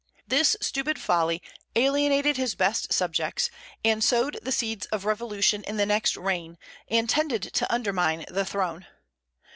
This stupid folly alienated his best subjects, and sowed the seeds of revolution in the next reign, and tended to undermine the throne.